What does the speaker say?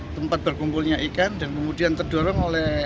tempat berkumpulnya ikan dan kemudian terdorong oleh